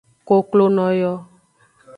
Koklono yo.